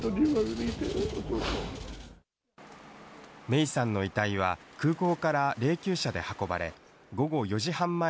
芽生さんの遺体は空港から霊きゅう車で運ばれ、午後４時半前